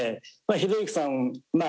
ひろゆきさんま